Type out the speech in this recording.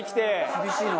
厳しいな。